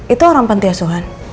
itu orang bante asuan